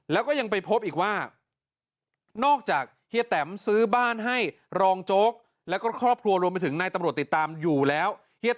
แล้วก็ยังไปพบอีกว่านอกจากเฮียแตมซื้อบ้านให้รองโจ๊กแล้วก็ครอบครัวรวมไปถึงนายตำรวจติดตามอยู่แล้ว